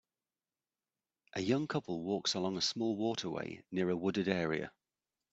A young couple walks along a small waterway near a wooded area.